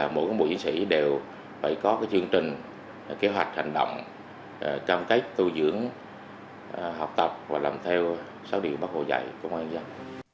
mỗi các bộ chiến sĩ đều phải có chương trình kế hoạch hành động cam kết tu dưỡng học tập và làm theo sáu điều bác hồ dạy của ngoại giao